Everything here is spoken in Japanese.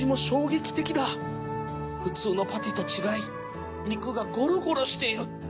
普通のパテと違い肉がごろごろしている